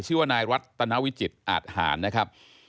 ชื่อว่านายรัตนาวิจิตอาทหารนะครับ